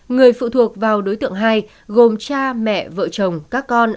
người phụ thuộc vào đối tượng hai gồm cha mẹ vợ chồng các con